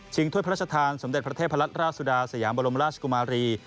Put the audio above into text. ถ้วยพระราชทานสมเด็จพระเทพรัตนราชสุดาสยามบรมราชกุมารี